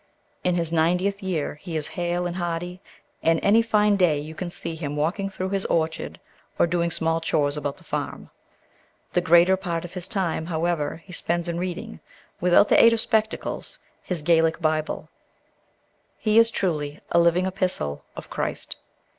In his ninetieth year he is hale and hearty, and any fine day you can see him walking through his orchard or doing small chores about the farm. The greater part of his time, however, he spends in reading, without the aid of spectacles, his Gaelic Bible. He is truly a living epistle of Christ.